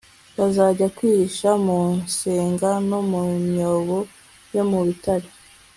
bazajya kwihisha mu masenga no mu myobo yo mu bitare